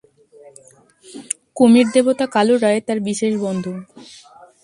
কুমীর-দেবতা কালুরায় তার বিশেষ বন্ধু।